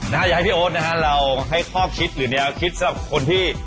อยากให้พี่โอ๊ตนะฮะเราให้ข้อคิดหรือแนวคิดสำหรับคนที่